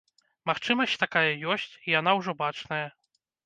Магчымасць такая ёсць, і яна ўжо бачная.